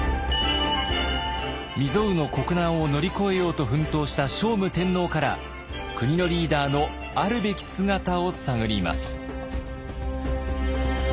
未曽有の国難を乗り越えようと奮闘した聖武天皇から国のリーダーのあるべき姿を探ります。